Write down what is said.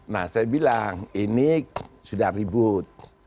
nah saya bilang ini sudah ribut